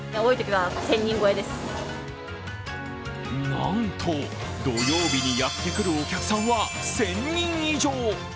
なんと、土曜日にやってくるお客さんは１０００人以上。